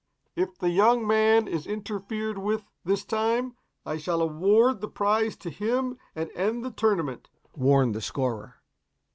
"If the young man is interfered with this time, I shall award the prize to him and end the tournament," warned the scorer.